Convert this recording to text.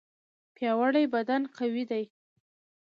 پیاوړی بدن قوي دی.